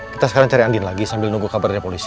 kita sekarang cari andin lagi sambil nunggu kabarnya polisi